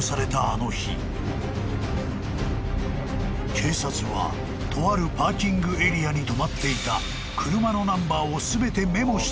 ［警察はとあるパーキングエリアに止まっていた］